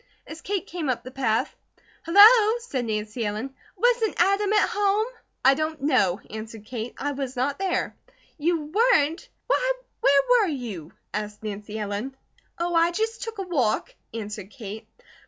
As Kate came up the path: "Hello!" said Nancy Ellen. "Wasn't Adam at home?" "I don't know," answered Kate. "I was not there." "You weren't? Why, where were you?" asked Nancy Ellen. "Oh, I just took a walk!" answered Kate.